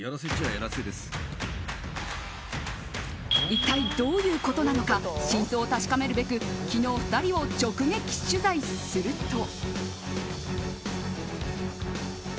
一体どういうことなのか真相を確かめるべく昨日２人を直撃取材すると。